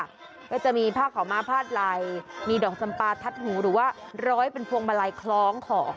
ก็จะมีผ้าขาวม้าพาดไหล่มีดอกจำปลาทัดหูหรือว่าร้อยเป็นพวงมาลัยคล้องคอ